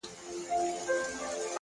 هغه د زړونو د دنـيـا لــه درده ولـوېږي.!